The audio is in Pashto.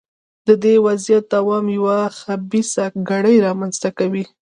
د دې وضعیت دوام یوه خبیثه کړۍ رامنځته کوي.